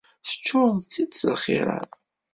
Teččureḍ-tt-id s lxirat.